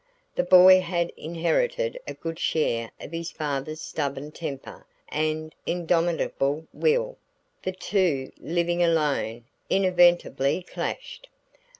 The boy had inherited a good share of his father's stubborn temper and indomitable will; the two, living alone, inevitably clashed.